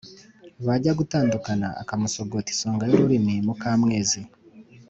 bwajya gutandukana akamusogota isonga y'ururimi muka mwezi"